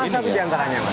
salah satu diantaranya